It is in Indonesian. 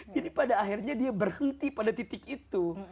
jadi pada akhirnya dia berhenti pada titik itu